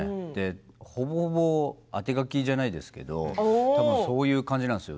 ほぼほぼ当て書きじゃないですけどそういう感じなんですよ。